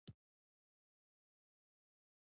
نن سبا د نړۍ په مسلمانانو جهاد فرض عین دی.